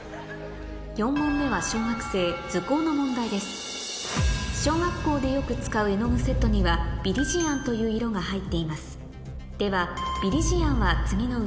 ４問目は小学生図工の問題です小学校でよく使う絵の具セットにはビリジアンという色が入っていますはるはどう？